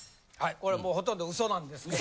これもうほとんどウソなんですけど。